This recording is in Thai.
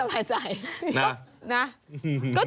สบายใจกว่าเยอะ